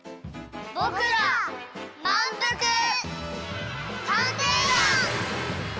ぼくらまんぷく探偵団！